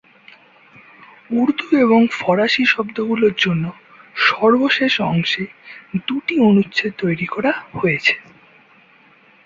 উর্দু ও ফারসী শব্দগুলোর জন্য সর্বশেষ অংশে দুটি অনুচ্ছেদ তৈরী করা হয়েছে।